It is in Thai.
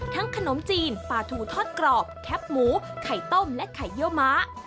ทั้งขนมจีนปาทูทอดกรอบแคบหมูไข่ต้มและไข่เยอะม้า